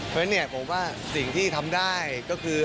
เพราะฉะนั้นเนี่ยผมว่าสิ่งที่ทำได้ก็คือ